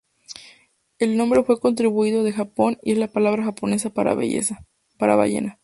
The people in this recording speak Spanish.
El nombre fue contribución de Japón y es la palabra japonesa para ballena.